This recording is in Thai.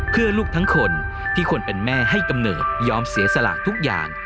เพื่อลูกทั้งคนที่คนเป็นแม่ให้กำเนิดยอมเสียสลากทุกอย่าง